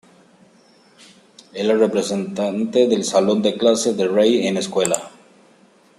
Es la representante del salón de clase de Rei en la escuela.